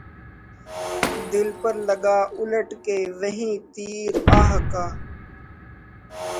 دل پر لگا اُلٹ کے وہیں تیر آہ کا